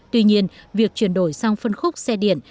tuy nhiên việc chuyển đổi sang phân khúc xe điện